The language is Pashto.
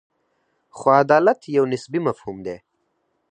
خو عدالت یو نسبي مفهوم دی.